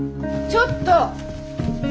ちょっと！